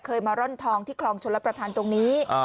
เคยมาร่อนทองที่คลองชลประธานตรงนี้